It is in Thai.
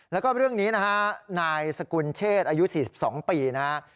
แล้วก็เรื่องนี้นะฮะนายสกุลเชษอายุ๔๒ปีนะฮะ